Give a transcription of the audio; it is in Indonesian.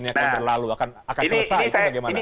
yang berlalu akan selesai